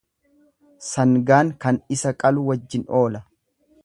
Sangaan kan isa qalu wajjin oola.